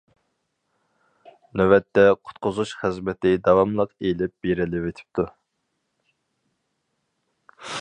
نۆۋەتتە قۇتقۇزۇش خىزمىتى داۋاملىق ئېلىپ بېرىلىۋېتىپتۇ.